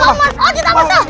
oh ditambah tuh